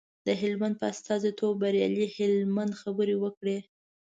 د هلمند په استازیتوب بریالي هلمند خبرې وکړې.